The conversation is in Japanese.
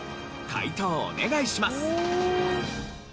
解答お願いします！